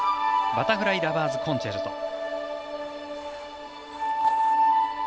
「バタフライ・ラバーズ・コンチェルト」。